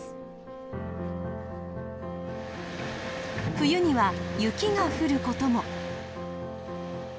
冬には雪が降ることも。